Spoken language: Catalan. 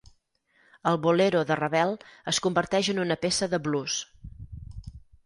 El "Bolero" de Ravel es converteix en una peça de blues.